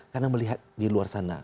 karena melihat di luar sana